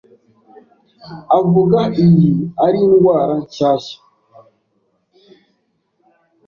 avuga iyi ari indwara nshyashya